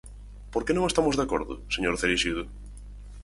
¿Por que non estamos de acordo, señor Cereixido?